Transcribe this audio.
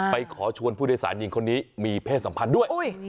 ขอชวนผู้โดยสารหญิงคนนี้มีเพศสัมพันธ์ด้วย